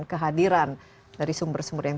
kehadiran dari sumber sumber yang